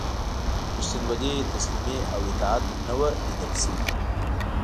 ریښتینولي، تسلیمي او اطاعت نه وه لیده شوي.